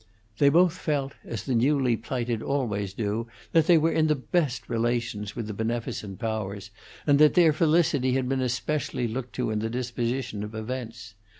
They both felt, as the newly plighted always do, that they were in the best relations with the beneficent powers, and that their felicity had been especially looked to in the disposition of events.